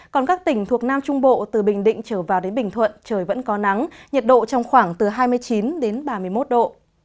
còn các tỉnh thuộc nam trung bộ từ bình định trở vào đến bình thuận trời vẫn có nắng nhiệt độ trong khoảng từ hai mươi chín đến ba mươi một độ